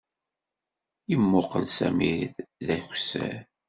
Yemmuqqel Sami d akessar.